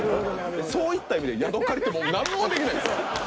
そういった意味でヤドカリってもう何もできないです。